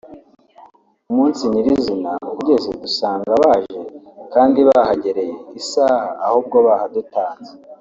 umunsi nyiri zina ugeze dusanga baje kandi bahagereye isaha ahubwo bahadutanze